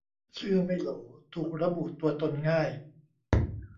ชื่อไม่โหล ถูกระบุตัวตนง่าย